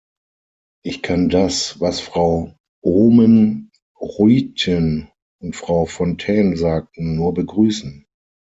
Ich kann das, was Frau Oomen-Ruijten und Frau Fontaine sagten, nur begrüßen.